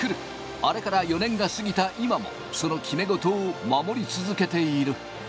あれから４年が過ぎた今もその決め事も守り続けている。